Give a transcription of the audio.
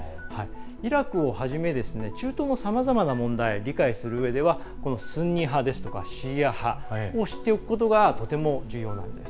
イラクをはじめ中東のさまざまな問題を理解するうえでは、スンニ派とかシーア派を知っておくことがとても重要なんです。